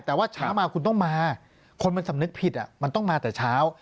แต่ว่าเช้ามาคุณต้องมาคนมันสำนึกผิดมันต้องมาแต่เช้า